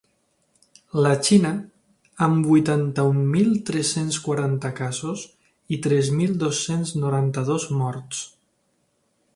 La Xina, amb vuitanta-un mil tres-cents quaranta casos i tres mil dos-cents noranta-dos morts.